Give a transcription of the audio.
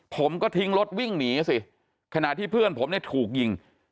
ผมก็ทิ้งรถวิ่งหนีสิขณะที่เพื่อนผมเนี่ยถูกยิง